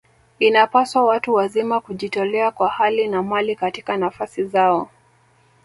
Inapaswa watu wazima kujitolea kwa hali na mali katika nafasi zao